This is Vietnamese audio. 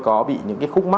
có bị những cái khúc mắt